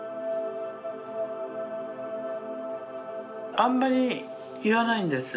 「あんまり言わないんです。